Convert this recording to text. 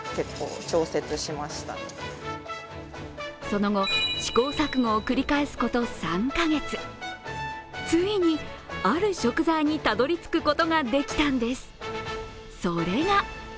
その後、試行錯誤を繰り返すこと３カ月、ついに、ある食材にたどり着くことができたんです。